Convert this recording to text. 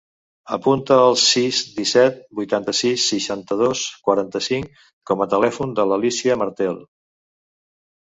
Apunta el sis, disset, vuitanta-sis, seixanta-dos, quaranta-cinc com a telèfon de l'Alícia Martel.